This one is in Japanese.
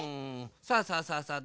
さあさあさあさあ